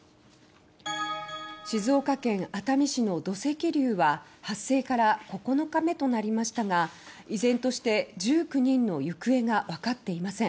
静岡県熱海市の土石流は発生から９日目となりましたが依然として１９人の行方が分かっていません。